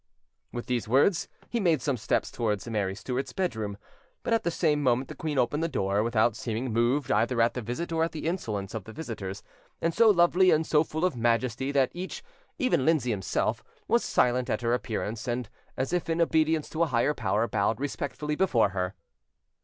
With these words, he made some steps towards Mary Stuart's bedroom; but at the same moment the queen opened the door, without seeming moved either at the visit or at the insolence of the visitors, and so lovely and so full of majesty, that each, even Lindsay himself, was silent at her appearance, and, as if in obedience to a higher power, bowed respectfully before her.